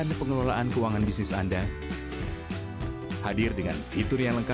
terima kasih banyak